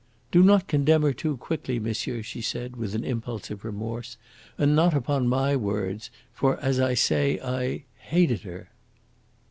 "Do not condemn her too quickly, monsieur," she, said, with an impulse of remorse. "And not upon my words. For, as I say, I hated her."